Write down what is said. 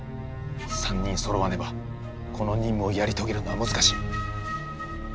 ３人そろわねばこの任務をやり遂げるのは難しい。